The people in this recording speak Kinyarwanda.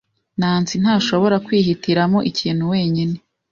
Nancy ntashobora kwihitiramo ikintu wenyine.